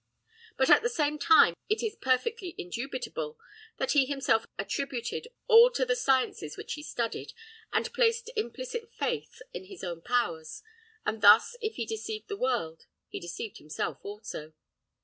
But at the same time it is perfectly indubitable that he himself attributed all to the sciences which he studied, and placed implicit faith in his own powers; and thus, if he deceived the world, he deceived himself also.